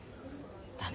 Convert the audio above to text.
駄目。